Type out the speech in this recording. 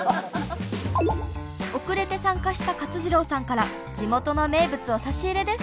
遅れて参加した克二郎さんから地元の名物を差し入れです。